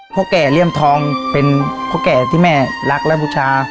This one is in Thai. พ่อแก่เลี่ยมทองเป็นพ่อแก่ที่แม่รักและบูชา